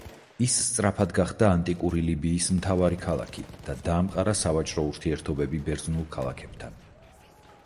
ის სწრაფად გახდა ანტიკური ლიბიის მთავარი ქალაქი და დაამყარა სავაჭრო ურთიერთობები ბერძნულ ქალაქებთან.